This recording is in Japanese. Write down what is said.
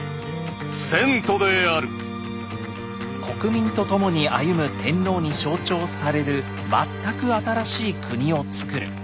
国民と共に歩む天皇に象徴される全く新しい国をつくる。